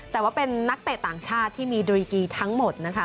แต่ว่าเป็นนักเตะต่างชาติที่มีดริกีทั้งหมดนะคะ